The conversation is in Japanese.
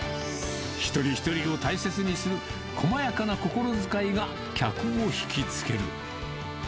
一人一人を大切にするこまやかな心遣いが客を引き付ける。